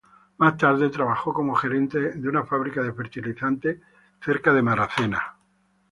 Más tarde, trabajó como gerente de una fábrica de fertilizantes cerca de Goslar.